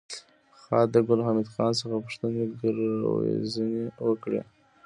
خاد د ګل حمید خان څخه پوښتنې ګروېږنې وکړې